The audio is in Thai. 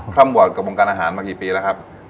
่ำวอร์ดกับวงการอาหารมากี่ปีแล้วครับ